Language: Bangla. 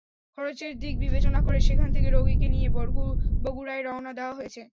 খরচের দিক বিবেচনা করে সেখান থেকে রোগীকে নিয়ে বগুড়ায় রওনা দেওয়া হয়েছে।